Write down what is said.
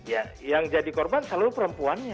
ya yang jadi korban selalu perempuannya